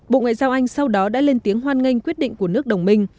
bộ ngoại giao anh sau đó đã lên tiếng hoan nghênh quyết định của nước đồng minh